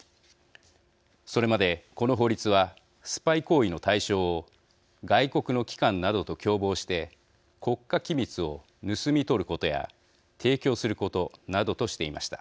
それまでこの法律はスパイ行為の対象を外国の機関などと共謀して国家機密を盗み取ることや提供することなどとしていました。